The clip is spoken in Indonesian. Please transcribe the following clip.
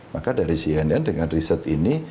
maka dari cnn dengan riset ini